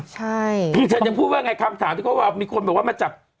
จริงฉันยังพูดว่าไงคำถามมีคนบอกว่ามันจับ